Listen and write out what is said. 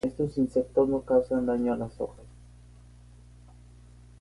Estos insectos no causan daños a las hojas.